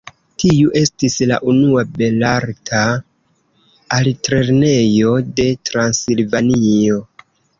Tiu estis la unua belarta altlernejo de Transilvanio.